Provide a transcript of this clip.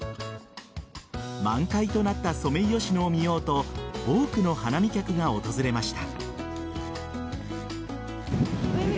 満開となったソメイヨシノを見ようと多くの花見客が訪れました。